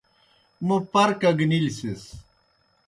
موں پر کگنِلیْ سِس۔